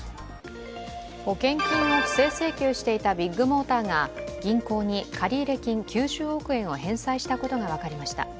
保険金を不正請求していたビッグモーターが銀行に借入金９０億円を返済したことが分かりました。